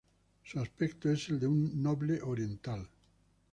Su aspecto es el de un noble oriental.